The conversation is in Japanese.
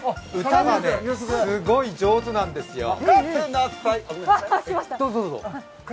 歌がすごい上手なんですよ。